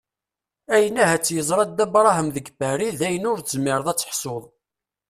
Ayen ahat yeẓra Dda Brahem deg Lpari dayen ur tezmireḍ ad teḥsuḍ.